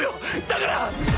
だから！